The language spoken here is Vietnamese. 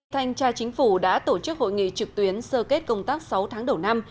thanh tra chính phủ đã tổ chức hội nghị trực tuyến sơ kết công tác sáu tháng đầu năm